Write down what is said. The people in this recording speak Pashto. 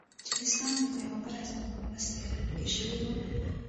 چې د اسلام د پیغمبر حضرت محمد ستاینه پکې شوې وي.